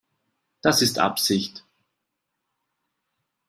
Das ist Absicht.